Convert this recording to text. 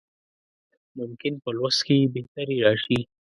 ممکن په لوست کې یې بهتري راشي.